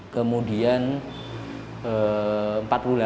kemudian satu hari yang lain itu jadwal